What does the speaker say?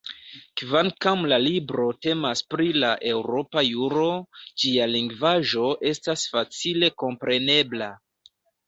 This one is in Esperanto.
Kvankam la libro temas pri la eŭropa juro, ĝia lingvaĵo estas facile komprenebla.